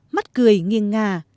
mắt cười nghiêng ngà